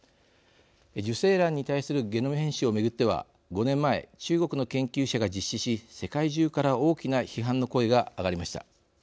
受精卵に対するゲノム編集を巡っては５年前、中国の研究者が実施し世界中から大きな批判の声が上がりました。